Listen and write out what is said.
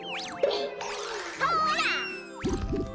ほら！